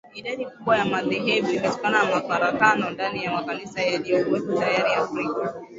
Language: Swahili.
Idadi kubwa ya madhehebu imetokana na mafarakano ndani ya makanisa yaliyokuwepo tayari Afrika